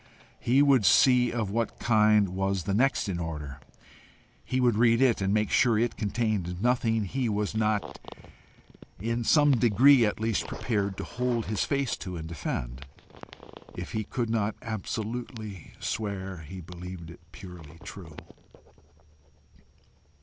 He would see of what kind was the next in order; he would read it and make sure it contained nothing he was not, in some degree at least, prepared to hold his face to and defend if he could not absolutely swear he believed it purely true.